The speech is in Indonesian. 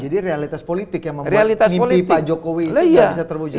jadi realitas politik yang membuat mimpi pak jokowi itu tidak bisa terwujud